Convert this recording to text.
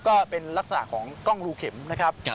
ก็เป็นลักษณะของกล้องรูเข็มนะครับ